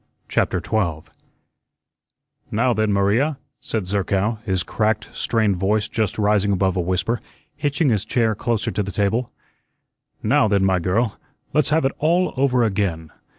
CHAPTER 12 "Now, then, Maria," said Zerkow, his cracked, strained voice just rising above a whisper, hitching his chair closer to the table, "now, then, my girl, let's have it all over again.